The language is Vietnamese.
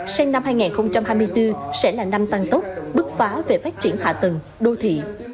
sang năm hai nghìn hai mươi bốn sẽ là năm tăng tốc bước phá về phát triển hạ tầng đô thị